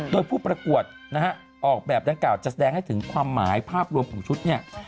โดยผู้ประกวดออกแบบด้านกล่าวแสดงให้ถึงความหมายภาพรวมของชุด